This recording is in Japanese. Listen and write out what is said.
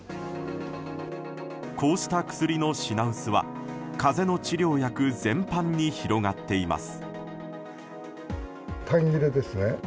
こうした薬の品薄は風邪の治療薬全般に広がっています。